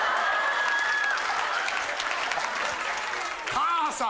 「母さん。